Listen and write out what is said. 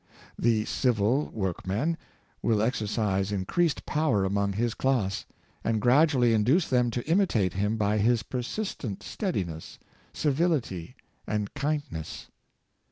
The civil workman will exercise increased power among his class, and grad ually induce them to imitate him by his persistent steadiness, civility and kindness.